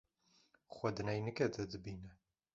Xwe di neynikê de dibîne.